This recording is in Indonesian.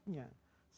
syaratnya jauhi dosa